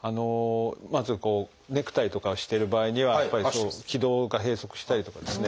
まずネクタイとかをしてる場合にはやっぱり気道が閉塞したりとかですね